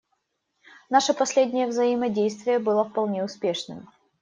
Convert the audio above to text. Наше последнее взаимодействие было вполне успешным.